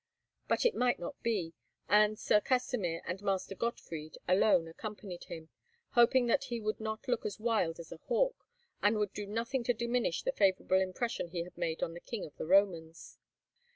But it might not be, and Sir Kasimir and Master Gottfried alone accompanied him, hoping that he would not look as wild as a hawk, and would do nothing to diminish the favourable impression he had made on the King of the Romans.